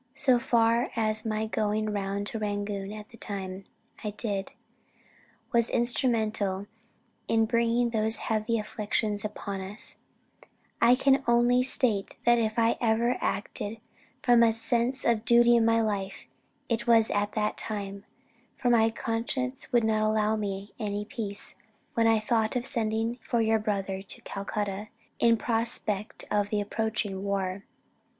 So far as my going round to Rangoon at the time I did, was instrumental in bringing those heavy afflictions upon us, I can only state that if ever I acted from a sense of duty in my life, it was at that time; for my conscience would not allow me any peace, when I thought of sending for your brother to Calcutta, in prospect of the approaching war.